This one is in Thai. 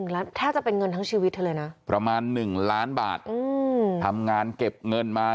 แล้วแทบจะเป็นเงินทั้งชีวิตเธอเลยนะประมาณ๑ล้านบาททำงานเก็บเงินมา